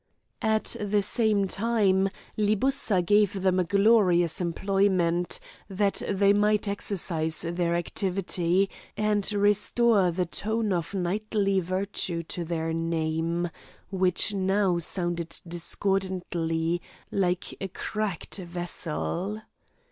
At the same time Libussa gave them a glorious employment, that they might exercise their activity, and restore the tone of knightly virtue to their name, which now sounded discordantly like a cracked vessel.